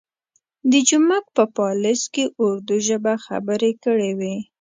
د جومک په پالیز کې اردو ژبه خبرې کړې وې.